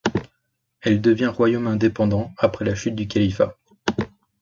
Elle devient royaume indépendant après la chute du califat.